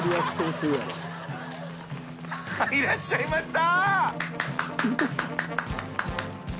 淵船礇鵝いらっしゃいました！